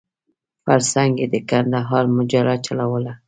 پر څنګ یې د کندهار مجله چلوله.